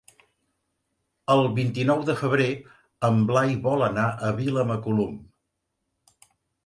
El vint-i-nou de febrer en Blai vol anar a Vilamacolum.